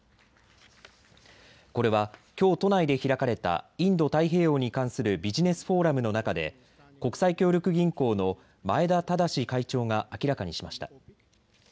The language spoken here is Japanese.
これはきょう都内で開かれたインド太平洋に関するビジネスフォーラムの中で国際協力銀行の前田匡史会長が明らかにしました。